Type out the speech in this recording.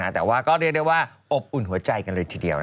แต่ว่าก็เรียกได้ว่าอบอุ่นหัวใจกันเลยทีเดียว